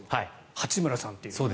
八村さんという。